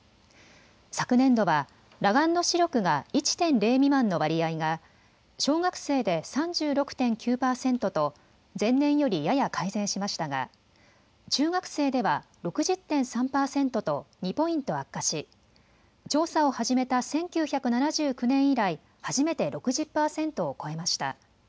昨年度は裸眼の視力が１．０未満の割合が小学生で３６．９％と前年よりやや改善しましたが中学生では６０．３％と２ポイント悪化し調査を始めた１９７９年以来、初めて６０％を超えました。